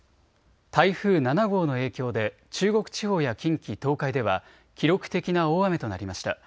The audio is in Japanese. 台風７号の影響で中国地方や近畿、東海では記録的な大雨となりました。